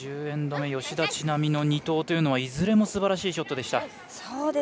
１０エンド目吉田知那美の２投というのはいずれもすばらしいショットでした。